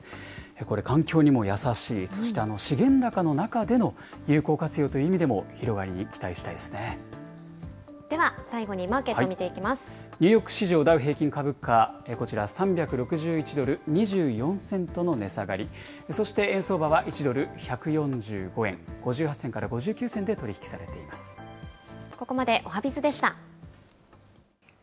これ、環境にも優しい、そして資源高の中での有効活用という意味では、最後にマーケットを見ニューヨーク市場、ダウ平均株価、こちら、３６１ドル２４セントの値下がり、そして円相場は１ドル１４５円５８銭から５９銭で取り引きされてここまでおはＢｉｚでした。